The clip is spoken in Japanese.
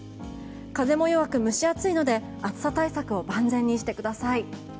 風も弱く、蒸し暑いので暑さ対策を万全にしてください。